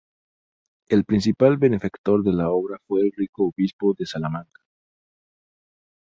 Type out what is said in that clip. El principal benefactor de la obra fue el rico obispo de Salamanca.